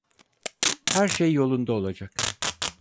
Her şey yolunda olacak.